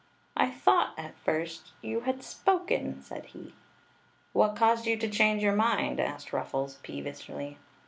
"I thought, at first, you had spoken!" said he. "What caused you to change your mind? asked Ruffles, peevishly.